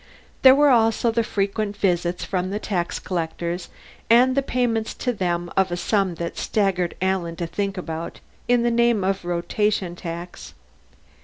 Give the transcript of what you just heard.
There were also the frequent visits from the tax collectors, and the payment to them of a sum that staggered Alan to think about, in the name of Rotation Tax.